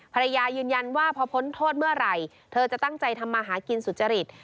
ยืนยันว่าพอพ้นโทษเมื่อไหร่เธอจะตั้งใจทำมาหากินสุจริต